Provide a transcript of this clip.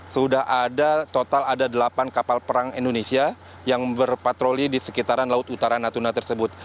sudah ada total ada delapan kapal perang indonesia yang berpatroli di sekitaran laut utara natuna tersebut